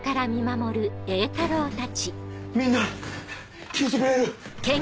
みんな聞いてくれる？